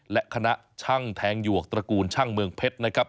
และคณะช่างแทงหยวกตระกูลช่างเมืองเพชรนะครับ